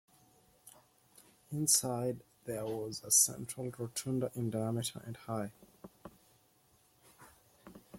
Inside there was a central rotunda in diameter and high.